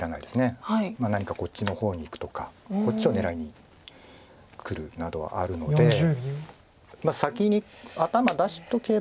何かこっちの方にいくとかこっちを狙いにくるなどあるので先に頭出し。